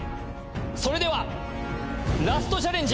それではラストチャレンジ